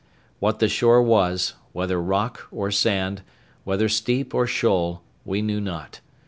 What the shore was, whether rock or sand, whether steep or shoal, we knew not.